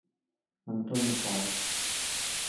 Antonio Páez